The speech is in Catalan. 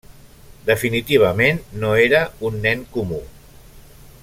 Definitivament, no era un nen comú.